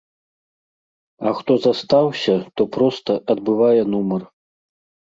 А хто застаўся, то проста адбывае нумар.